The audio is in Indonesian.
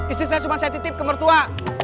istri saya cuma saya titip kemertua